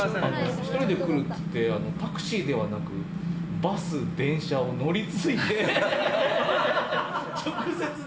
１人で来るといってタクシーではなくバス、電車を乗り継いで。